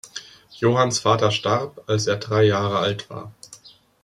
Johanns Vater starb, als er drei Jahre alt war.